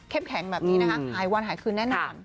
แข็งแบบนี้นะคะหายวันหายคืนแน่นอน